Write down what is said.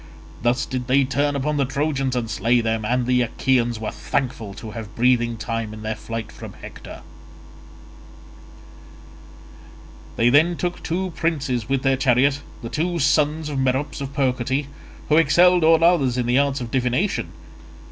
Thus did they turn upon the Trojans and slay them, and the Achaeans were thankful to have breathing time in their flight from Hector. They then took two princes with their chariot, the two sons of Merops of Percote, who excelled all others in the arts of divination.